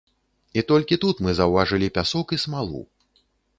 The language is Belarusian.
І толькі тут мы заўважылі пясок і смалу.